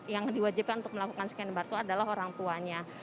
yang diwajibkan untuk melakukan scan barcode adalah orang tuanya